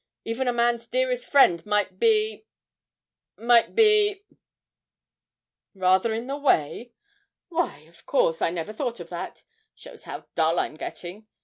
even a man's dearest friend might be might be ' 'Rather in the way? Why, of course, I never thought of that shows how dull I'm getting!